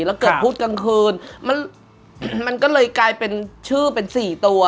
แล้วเกิดพุธกลางคืนมันก็เลยกลายเป็นชื่อเป็น๔ตัว